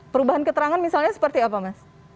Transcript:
perubahan keterangan misalnya seperti apa mas